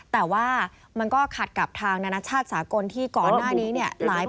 แต่ว่ามันก็ขัดกับทางนานาชาติสากลที่ก่อนหน้านี้เนี่ย